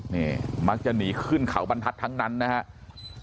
นี่มักจะหนีขึ้นเขาบรรทัศน์ทั้งนั้นนะครับ